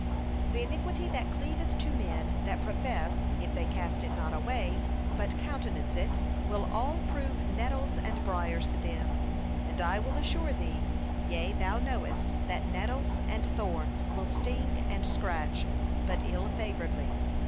The iniquity that cleaveth to men that profess, if they cast it not away, but countenance it, will a11 prove nettles and briars to them; and I will assure thee, yea, thou knowest, that nettles and thorns will sting and scratch but ill favouredly.